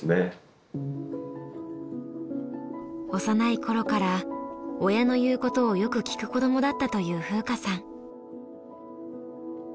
幼い頃から親の言うことをよく聞く子どもだったという風花さん。